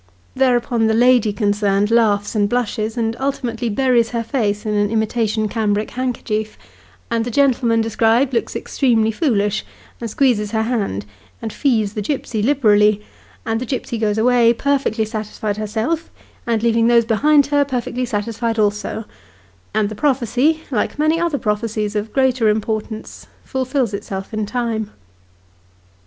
Thereupon, the lady concerned laughs and blushes, and ultimately buries her face in an imitation cambric hand kerchief, and the gentleman described looks extremely foolish, and squeezes her hand, and fees the gipsy liberally ; and the gipsy goes away, perfectly satisfied herself, and leaving those behind her per 84 Sketches by Boz. fectly satisfied also : and the prophecy, like many other prophecies of greater importance, fulfils itself in time.